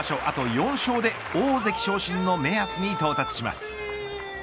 あと４勝で大関昇進の目安に到達します。